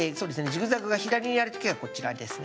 ジグザグが左にある時はこちらですね。